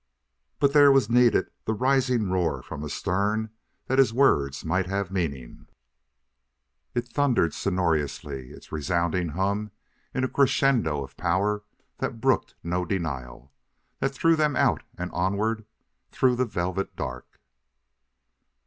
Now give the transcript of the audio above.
But there was needed the rising roar from astern that his words might have meaning; it thundered sonorously its resounding hum in a crescendo of power that brooked no denial, that threw them out and onward through the velvet dark.